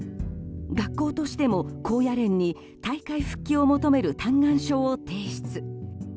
学校としても高野連に退会復帰を求める嘆願書を提出。